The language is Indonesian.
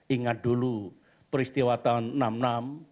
ingat dulu peristiwa tahun seribu sembilan ratus enam puluh enam